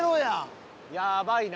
やばいな。